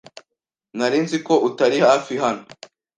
Nari nzi ko utari hafi hano.